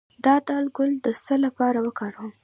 د دال ګل د څه لپاره وکاروم؟